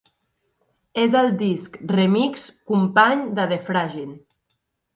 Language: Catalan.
És el disc remix company de "The Fragile".